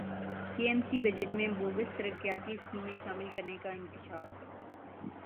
کے M C budget میں bogus ترقیاتی اسکیمیں شامل کرنیکا انکشاف